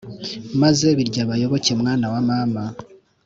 maze biryabayoboke mwana wa mama